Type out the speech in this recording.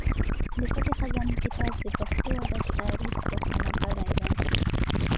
د پټې خزانې کتاب د پښتو ادب تاریخ روښانه کړی دی.